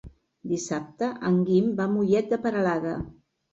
Dissabte en Guim va a Mollet de Peralada.